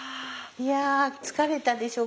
いや疲れたでしょう。